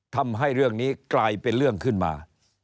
ทำให้เรื่องนี้กลายเป็นเรื่องขึ้นมา